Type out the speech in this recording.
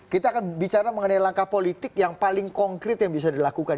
kita akan bicara mengenai langkah politik yang paling konkret yang bisa dilakukan